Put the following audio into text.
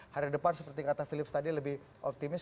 hari depan seperti kata philips tadi lebih optimis